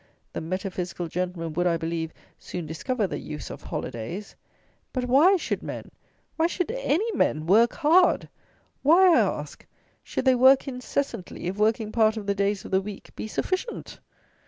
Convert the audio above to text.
The metaphysical gentlemen would, I believe, soon discover the use of holidays! But why should men, why should any men, work hard? Why, I ask, should they work incessantly, if working part of the days of the week be sufficient?